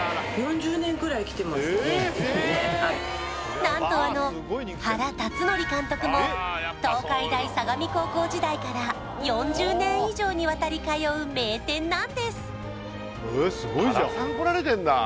何とあの原辰徳監督も東海大相模高校時代から４０年以上にわたり通う名店なんです